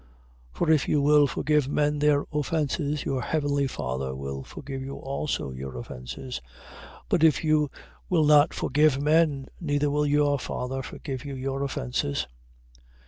For if you will forgive men their offences, your heavenly Father will forgive you also your offences. 6:15. But if you will not forgive men, neither will your Father forgive you your offences.